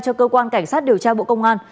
cho cơ quan cảnh sát điều tra bộ công an